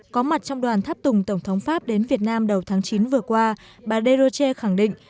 có mặt trong đoàn tháp tùng tổng thống pháp đến việt nam đầu tháng chín vừa qua bà deroche khẳng định